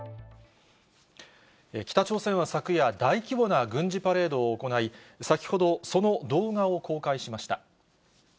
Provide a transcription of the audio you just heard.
北朝鮮は昨夜、大規模な軍事パレードを行い、先ほどその動画を公開しました。